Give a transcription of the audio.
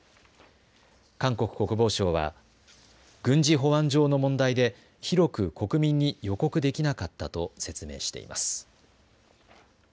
韓国国防省は軍事保安上の問題で広く国民に予告できなかったと説明しています。